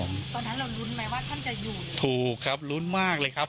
ตอนนั้นเรารุ้นไหมว่าท่านจะอยู่ถูกครับลุ้นมากเลยครับ